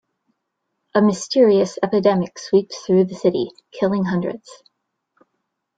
A mysterious epidemic sweeps through the city, killing hundreds.